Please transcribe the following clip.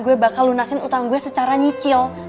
gue bakal lunasin utang gue secara nyicil